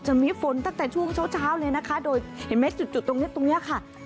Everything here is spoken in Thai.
จะมีฝนตั้งแต่ช่วงเช้าเลยนะคะโดยเห็นไหมจุดตรงนี้ตรงนี้ค่ะ